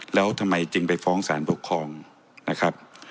แล้วทำไมจึงไปฟ้องสารปกครองนะครับ